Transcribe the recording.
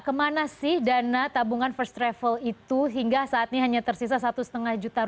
kemana sih dana tabungan first travel itu hingga saat ini hanya tersisa rp satu lima juta